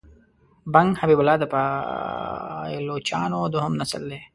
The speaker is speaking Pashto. بنګ حبیب الله د پایلوچانو دوهم نسل دی.